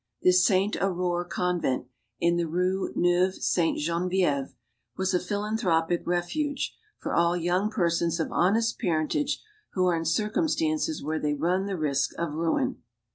This Sainte Aurore convent, in the Rue Neuve Sainte Genevieve, was a philan thropic refuge "for all young persons of honest parent age who are in circumstances where they run the risk of ruin."